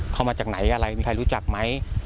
มาจากไหนอะไรมีใครรู้จักไหม